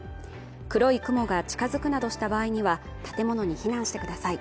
黒い雲が近づくなどした場合には建物に避難してください